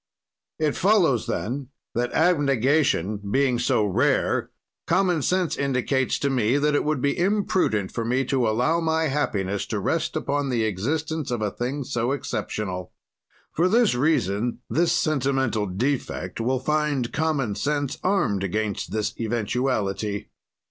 "It follows then that, abnegation being so rare, common sense indicates to me that it would be imprudent for me to allow my happiness to rest upon the existence of a thing so exceptional. "For this reason this sentimental defect will find common sense armed against this eventuality.